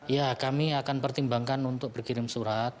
ya kami akan pertimbangkan untuk berkirim surat